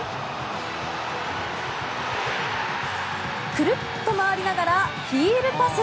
くるっと回りながらヒールパス。